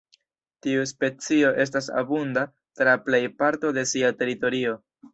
Tiu specio estas abunda tra plej parto de sia teritorio.